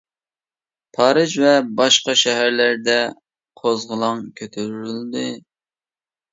پارىژ ۋە باشقا شەھەرلەردە قوزغىلاڭ كۆتۈرۈلدى.